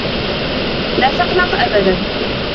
لا تقلق أبدا.